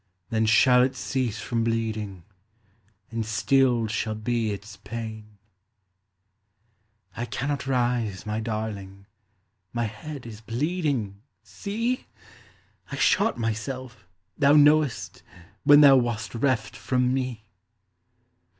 Then shall it cease from bleeding. And stilled shall be its pain." "I cannot rise, my darling, My head is bleeding see! I shot myself, thou knowest, When thou wast reft from me."